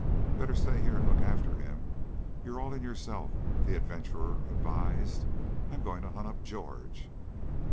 "Better stay here and look after him. You're all in, yourself," the adventurer advised. "I'm going to hunt up George."